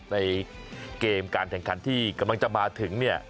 ในเกมการแข่งขันที่กำลังจะมาถึงเนี่ย